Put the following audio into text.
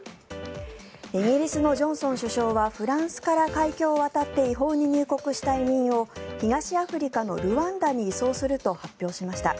イギリスのジョンソン首相はフランスから海峡を渡って違法に入国した移民を東アフリカのルワンダに移送すると発表しました。